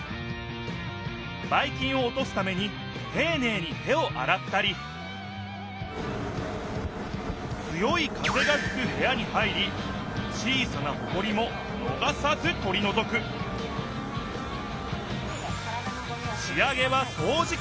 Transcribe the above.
ばいきんをおとすためにていねいに手をあらったり強い風がふくへやに入り小さなほこりものがさずとりのぞくし上げはそうじき。